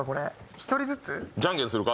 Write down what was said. １人ずつ？